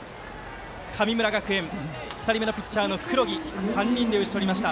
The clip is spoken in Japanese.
神村学園２人目のピッチャー、黒木３人で打ち取りました。